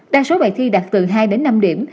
đa số bài thi đạt từ hai đến năm điểm